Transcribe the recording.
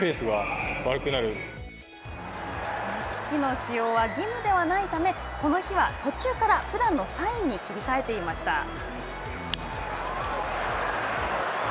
機器の使用は義務ではないためこの日は途中からふだんのサインに切り替えていました。